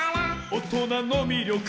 「おとなのみりょく」